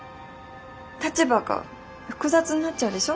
立場が複雑になっちゃうでしょ？